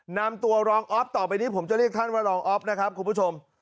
นำตัวรองอ๊อฟต่อไปนี้ผมจะเรียกท่านว่ารองอ๊อฟนะครับคุณผู้ชม